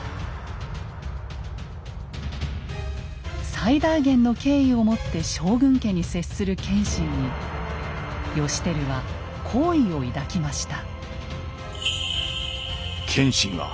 最大限の敬意をもって将軍家に接する謙信に義輝は好意を抱きました。